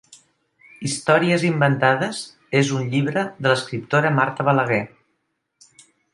Històries inventades és un llibre de l'escriptora Marta Balaguer